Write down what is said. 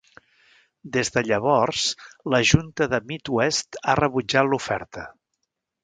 Des de llavors, la junta de Midwest ha rebutjat l'oferta.